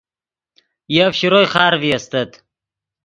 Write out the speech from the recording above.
یف شروئے خارڤے استت